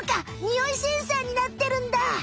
ニオイセンサーになってるんだ。